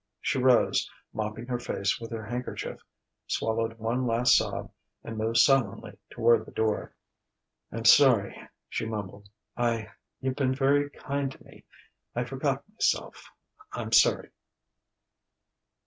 She rose, mopping her face with her handkerchief, swallowed one last sob, and moved sullenly toward the door. "I'm sorry," she mumbled. "I you've been very kind to me I forgot myself. I'm sorry."